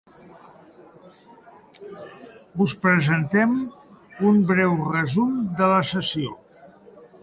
Us presentem un breu resum de la sessió.